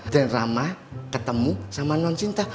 den rama ketemu sama non sinta